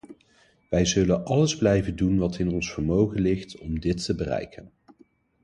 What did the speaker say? Wij zullen alles blijven doen wat in ons vermogen ligt om dit te bereiken.